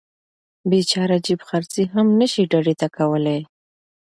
بیچاره جیب خرڅي هم نشي ډډې ته کولی.